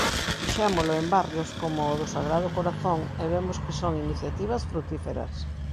Fixémolo en barrios como o do Sagrado Corazón e vemos que son iniciativas frutíferas.